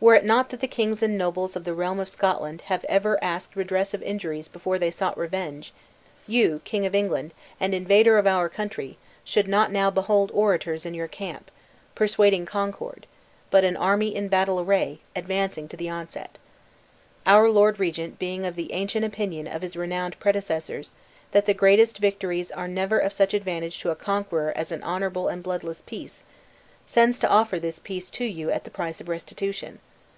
Were it not that the kings and nobles of the realm of Scotland have ever asked redress of injuries before they sought revenge, you King of England, and invader of our country, should not now behold orators in your camp, persuading concord, but an army in battle array, advancing to the onset. Our lord regent being of the ancient opinion of his renowned predecessors, that the greatest victories are never of such advantage to a conqueror as an honorable and bloodless peace, sends to offer this peace to you at the price of restitution.